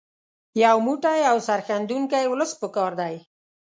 یو موټی او سرښندونکی ولس په کار دی.